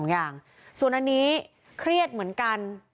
อย่างนี้นะ